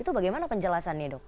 itu bagaimana penjelasannya dok